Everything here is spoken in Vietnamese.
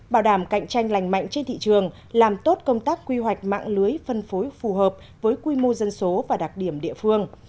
bảo đảm cạnh tranh lành mạnh trên thị trường làm tốt công tác quy hoạch mạng lưới phân phối phù hợp với quy mô dân số và đặc điểm địa phương